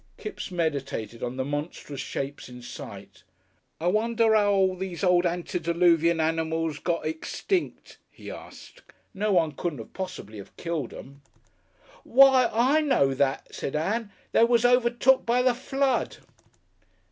Kipps meditated on the monstrous shapes in sight. "I wonder 'ow all these old antediluvium animals got extinct," he asked. "No one couldn't possibly 'ave killed 'em." "Why! I know that," said Ann. "They was overtook by the Flood...."